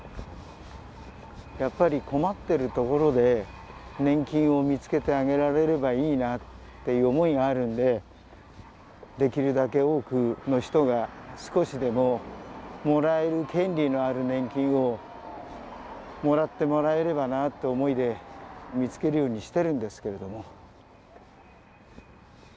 やっぱり困ってるところで年金を見つけてあげられればいいなという思いがあるんでできるだけ多くの人が少しでももらえる権利のある年金をもらってもらえればなっていう思いで見つけるようにしてるんですけれども。